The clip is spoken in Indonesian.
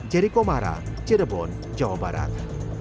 jericho mara cirebon jawa barat